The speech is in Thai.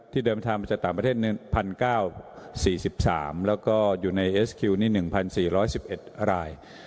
ที่เดินทางมาจากต่างประเทศหนึ่งพันเก้าสี่สิบสามแล้วก็อยู่ในเอสคิวนี่หนึ่งพันสี่ร้อยสิบเอ็ดราย